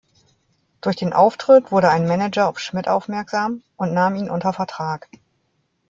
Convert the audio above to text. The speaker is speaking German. Durch den Auftritt wurde ein Manager auf Schmidt aufmerksam und nahm ihn unter Vertrag.